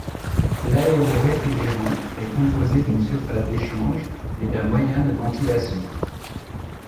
L'aéroréfrigérant est composé d'une surface d'échange et d'un moyen de ventilation.